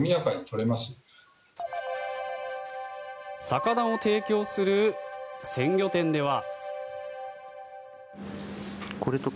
魚を提供する鮮魚店では。